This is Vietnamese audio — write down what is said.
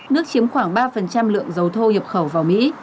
nước chiếm khoảng ba lượng dầu thô nhập khẩu vào mỹ